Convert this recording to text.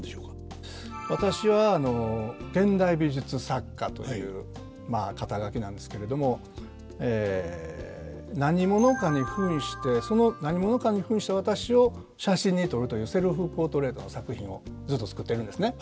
私は現代美術作家というまあ肩書なんですけれども何者かにふんしてその何者かにふんした私を写真に撮るというセルフポートレートの作品をずっと作ってるんですね。